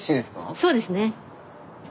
そうですね。